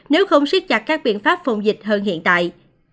nếu không siết chặt các biện pháp phòng dịch hơn hiện tại